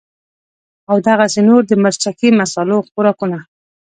او دغسې نور د مرچکي مصالو خوراکونه